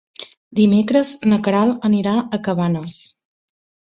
Dimecres na Queralt anirà a Cabanes.